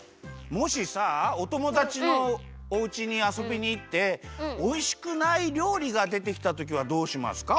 もしさおともだちのおうちにあそびにいっておいしくないりょうりがでてきたときはどうしますか？